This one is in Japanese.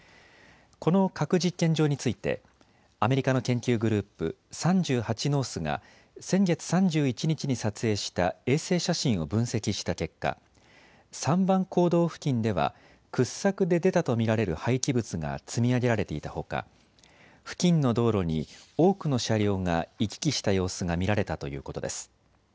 この核実験場についてアメリカの研究グループ、３８ノースが先月３１日に撮影した衛星写真を分析した結果、３番坑道付近では掘削で出たと見られる廃棄物が積み上げられていたほか付近の道路に多くの車両が行き来した様子が見られたということです。